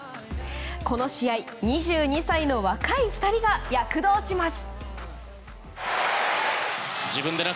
この試合２２歳の若い２人が躍動します。